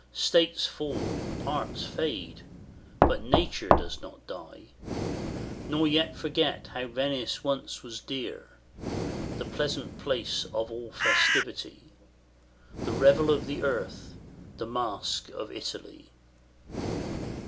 States fall, arts fade but Nature doth not die, Nor yet forget how Venice once was dear, The pleasant place of all festivity, The revel of the earth, the masque of Italy!